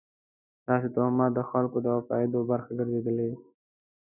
داسې توهمات د خلکو د عقایدو برخه ګرځېدلې.